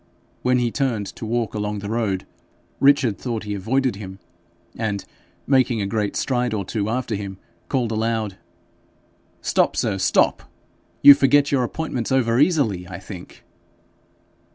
When he turned to walk along the road, Richard thought he avoided him, and, making a great stride or two after him, called aloud 'Stop, sir, stop. You forget your appointments over easily, I think.'